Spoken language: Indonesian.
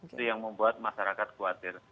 itu yang membuat masyarakat khawatir